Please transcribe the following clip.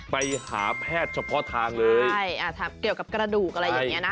ไปหาแพทย์เฉพาะทางเลยใช่อ่าถามเกี่ยวกับกระดูกอะไรอย่างเงี้นะ